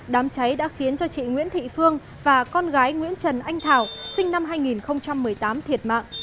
đám cháy đã khiến cho chị nguyễn thị phương và con gái nguyễn trần anh thảo sinh năm hai nghìn một mươi tám thiệt mạng